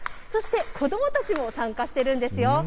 そして、子どもたちも参加しているんですよ。